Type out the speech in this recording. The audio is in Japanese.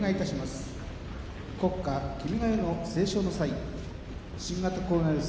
国歌「君が代」の斉唱の際新型コロナウイルス